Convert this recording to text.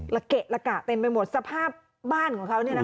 ละเกะละกะเต็มไปหมดสภาพบ้านของเขาเนี่ยนะคะ